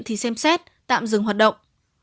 thì xem xét tạm dừng hoạt động